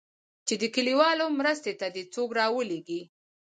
چې د کليوالو مرستې ته دې څوک راولېږي.